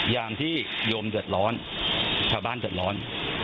ยามที่โยมเดือดร้อนชาวบ้านเดือดร้อน